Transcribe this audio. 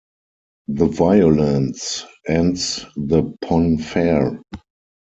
The violence ends the "pon farr".